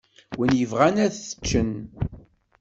Wid yebɣan ad t-ččen.